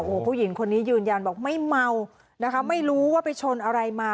โอ้โหผู้หญิงคนนี้ยืนยันบอกไม่เมานะคะไม่รู้ว่าไปชนอะไรมา